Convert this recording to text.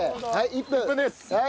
１分です。